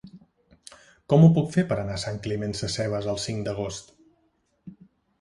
Com ho puc fer per anar a Sant Climent Sescebes el cinc d'agost?